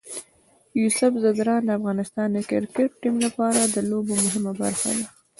یوسف ځدراڼ د افغانستان د کرکټ ټیم لپاره د لوبو مهمه برخه ده.